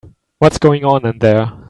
What's going on in there?